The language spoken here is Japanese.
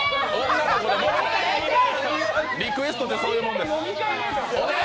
リクエストってそういうもんです。